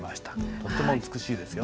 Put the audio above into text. とても美しいですよ。